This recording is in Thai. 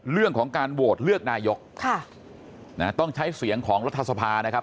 เรื่องของการโหวตเลือกนายกต้องใช้เสียงของรัฐสภานะครับ